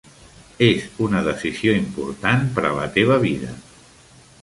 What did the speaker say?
És una decisió important per a la teva vida.